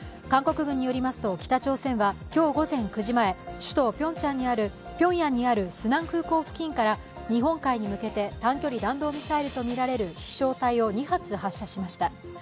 韓国軍によりますと、北朝鮮は今日午前９時前、首都ピョンヤンにあるスナン空港付近から日本海に向けて短距離弾道ミサイルとみられる飛しょう体を２発発射しました。